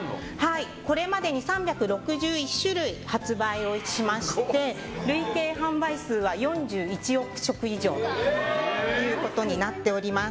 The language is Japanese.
これまでに３６１種類を発売しまして累計販売数は４１億食以上となっております。